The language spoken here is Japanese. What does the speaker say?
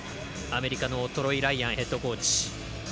アメリカのトロイ・ライアンヘッドコーチ。